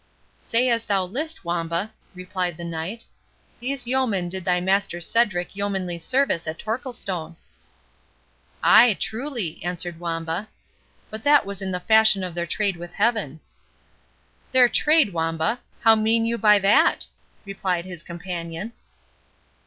"Say as thou list, Wamba," replied the Knight, "these yeomen did thy master Cedric yeomanly service at Torquilstone." "Ay, truly," answered Wamba; "but that was in the fashion of their trade with Heaven." "Their trade, Wamba! how mean you by that?" replied his companion.